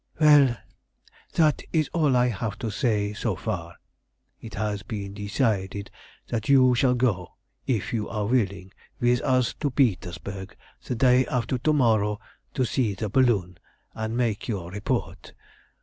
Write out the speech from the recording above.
"Well, that is all I have to say, so far. It has been decided that you shall go, if you are willing, with us to Petersburg the day after to morrow to see the balloon, and make your report.